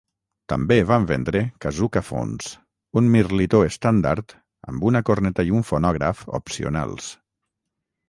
També van vendre Kazookaphones, un mirlitó estàndard amb una corneta i un fonògraf opcionals.